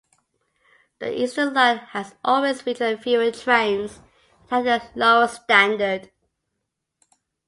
The Eastern Line has always featured fewer trains and had a lower standard.